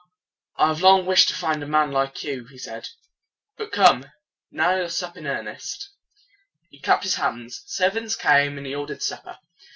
"I have long wished to find a man like you," he said. "But come, now we will sup in earnest." He clapped his hands. Servants came, and he ordered supper.